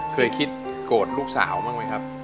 เคยคิดโกรธลูกสาวมากมั้ยครับ